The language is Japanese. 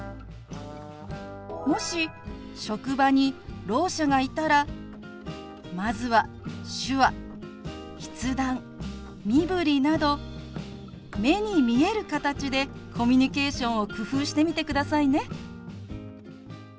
もし職場にろう者がいたらまずは手話筆談身振りなど目に見える形でコミュニケーションを工夫してみてくださいね。